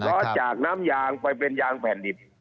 ล้อจากน้ำยางไปเป็นยางแผ่นดิบ